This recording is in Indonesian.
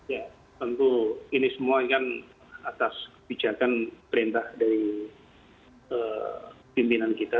ya tentu ini semua kan atas kebijakan perintah dari pimpinan kita